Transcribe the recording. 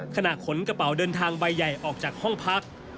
ขนกระเป๋าเดินทางใบใหญ่ออกจากห้องพัก